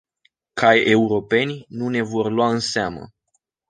Ca europeni, nu ne vor lua în seamă.